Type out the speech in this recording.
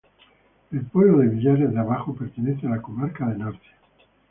El pueblo de Villares de Abajo pertenece a la comarca de Narcea.